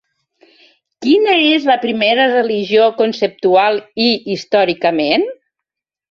Quina és la primera religió conceptual i històricament?